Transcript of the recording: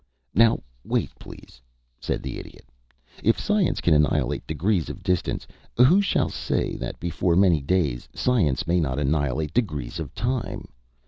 "Now wait, please," said the Idiot. "If science can annihilate degrees of distance, who shall say that before many days science may not annihilate degrees of time?